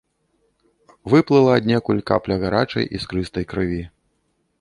Выплыла аднекуль капля гарачай іскрыстай крыві.